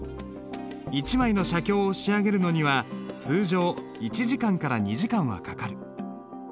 一枚の写経を仕上げるのには通常１時間から２時間はかかる。